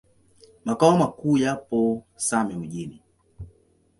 Makao makuu yapo Same Mjini.